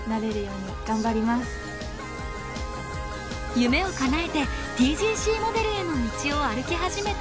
夢をかなえてＴＧＣモデルへの道を歩き始めたＴＹＲＡさん。